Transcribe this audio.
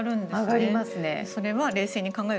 上がりますね。